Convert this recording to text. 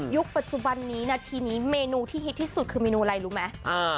ปัจจุบันนี้นาทีนี้เมนูที่ฮิตที่สุดคือเมนูอะไรรู้ไหม